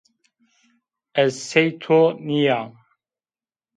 Ez sey to nîya